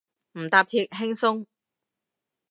唔搭鐵，輕鬆